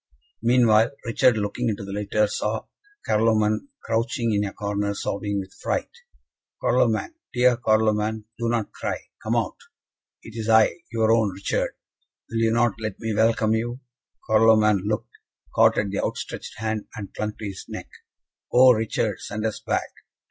Meanwhile, Richard, looking into the litter, saw Carloman crouching in a corner, sobbing with fright. "Carloman! dear Carloman! do not cry. Come out! It is I your own Richard! Will you not let me welcome you?" Carloman looked, caught at the outstretched hand, and clung to his neck. "Oh, Richard, send us back!